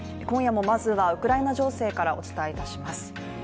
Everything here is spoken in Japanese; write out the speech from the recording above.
今夜もまずはウクライナ情勢からお伝えします。